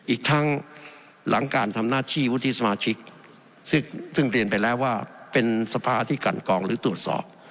อีกทั้งหลังการทำหน้าที่วุฒิสมาชิกซึ่งเรียนไปแล้วว่าเป็นสภาที่กันกองหรือตรวจสอบ